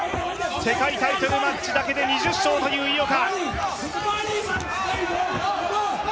世界タイトルマッチだけで２０勝という井岡。